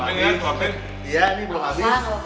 iya ini belum habis